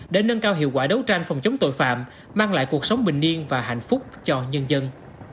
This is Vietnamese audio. để nâng cao hiệu quả đấu tranh phòng chống tội phạm mang lại cuộc sống bình niên và hạnh phúc cho nhân dân